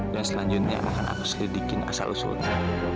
dan selanjutnya akan aku selidikin asal usulnya